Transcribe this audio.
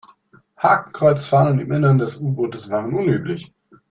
Hakenkreuzfahnen im Innern des U-Bootes waren unüblich.